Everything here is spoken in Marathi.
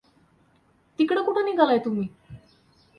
तिकडं कुठं निघालाय तुम्ही?